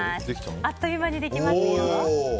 あっという間にできますよ。